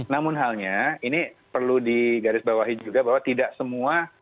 namun halnya ini perlu digarisbawahi juga bahwa tidak semua